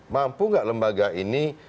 mampu enggak lembaga ini